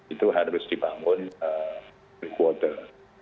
itu harus dibangun brick border